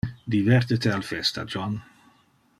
Diverte te al festa, John.